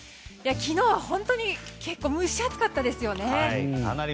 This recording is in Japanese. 昨日は本当に結構蒸し暑かったですよね。